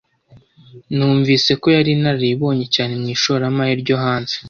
Numvise ko yari inararibonye cyane mu ishoramari ryo hanze.